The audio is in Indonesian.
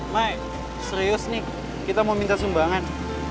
mai serius nih kita mau minta sumbangan